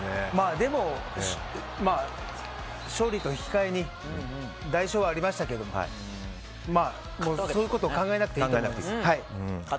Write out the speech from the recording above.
でも、勝利と引き換えに代償はありましたがまあ、そういうことを考えなくていいと思います。